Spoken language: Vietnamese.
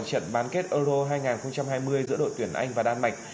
trận bán kết euro hai nghìn hai mươi giữa đội tuyển anh và đan mạch